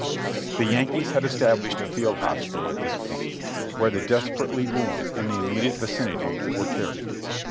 The Yankees had established a field hospital at this point, where the desperately wounded in the immediate vicinity were carried.